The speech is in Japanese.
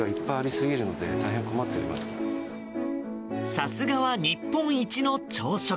さすがは日本一の朝食。